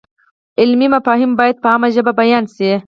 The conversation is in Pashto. علمي مفاهیم باید په عامه ژبه بیان شي.